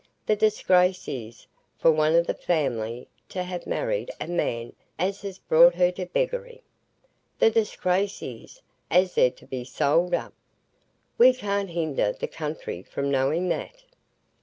The disgrace is, for one o' the family to ha' married a man as has brought her to beggary. The disgrace is, as they're to be sold up. We can't hinder the country from knowing that."